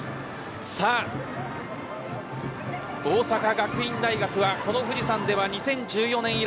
さあ、大阪学院大学はこの富士山では２０１４年以来。